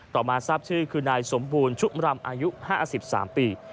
ต่อมาทราบชื่อคือนายสมบูรณ์ชุมรำอายุห้าสิบสามปี